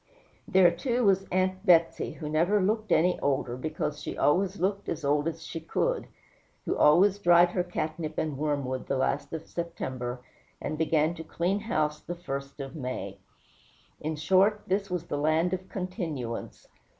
There, too, was Aunt Betsey, who never looked any older, because she always looked as old as she could; who always dried her catnip and wormwood the last of September, and began to clean house the first of May. In short, this was the land of continuance.